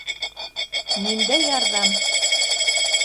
Ниндәй ярҙам?